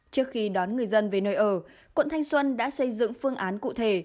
trước khi đón người dân về nơi ở quận thanh xuân đã xây dựng phương án cụ thể